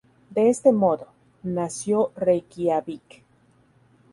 De este modo, nació Reikiavik.